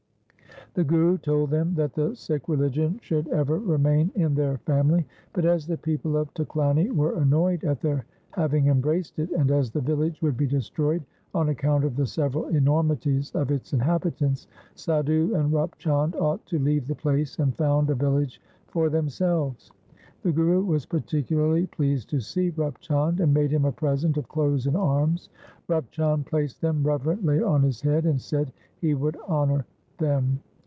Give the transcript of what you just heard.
The Guru told them that the Sikh religion should ever remain in their family, but, as the people of Tuklani were annoyed at their having embraced it, and as the village would be destroyed on account of the several enormities of its inhabitants, Sadhu and Rup Chand ought to leave the place and found a village for themselves. The Guru was particularly pleased to see Rup Chand, and made him a present of clothes and arms. Rup Chand placed them reverently on his head, and said he would honour them.